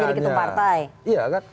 udah lama jadi ketua partai